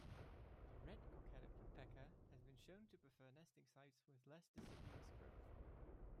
The red-cockaded woodpecker has been shown to prefer nesting sites with less deciduous growth.